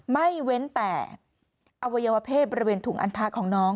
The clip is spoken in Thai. เว้นแต่อวัยวเพศบริเวณถุงอันทะของน้อง